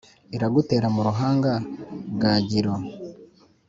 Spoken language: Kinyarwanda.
iragutega mu ruhanga bwagiro,